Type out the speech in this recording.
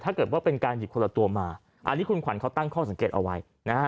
ถ้าเกิดว่าเป็นการหยิบคนละตัวมาอันนี้คุณขวัญเขาตั้งข้อสังเกตเอาไว้นะฮะ